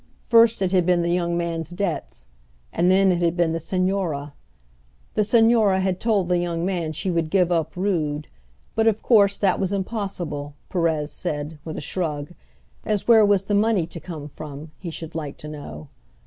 First it had been the young man's debts, and then it had been the Señora. The Señora had told the young man she would give up Rood; but of course that was impossible, Perez said, with a shrug, as where was the money to come from he should like to know?